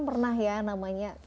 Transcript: pernah ya namanya